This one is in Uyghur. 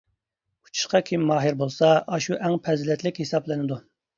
ئۇچۇشقا كىم ماھىر بولسا، ئاشۇ ئەڭ پەزىلەتلىك ھېسابلىنىدۇ.